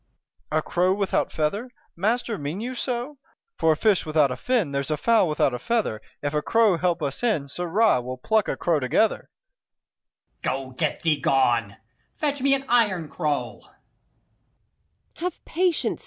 80 Dro. E. A crow without feather? Master, mean you so? For a fish without a fin, there's a fowl without a feather: If a crow help us in, sirrah, we'll pluck a crow together. Ant. E. Go get thee gone; fetch me an iron crow.